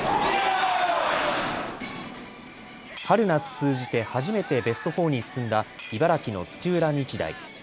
春夏通じて初めてベスト４に進んだ茨城の土浦日大。